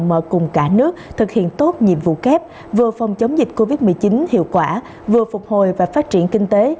mở cùng cả nước thực hiện tốt nhiệm vụ kép vừa phòng chống dịch covid một mươi chín hiệu quả vừa phục hồi và phát triển kinh tế